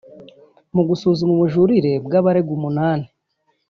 Mu gusuzuma ubujurire bw’abaregwa umunani